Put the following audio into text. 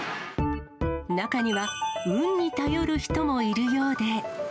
中には、運に頼る人もいるよ